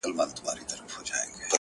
o مور لږ هوش ته راځي خو لا هم کمزورې ده,